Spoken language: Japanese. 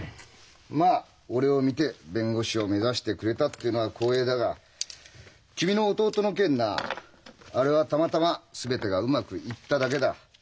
まあ俺を見て弁護士を目指してくれたっていうのは光栄だが君の弟の件なあれはたまたま全てがうまくいっただけだ。